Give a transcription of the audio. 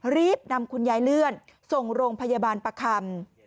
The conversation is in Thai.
รีบนำคุณยายเลื่อนส่งโรงพยาบาลประคำ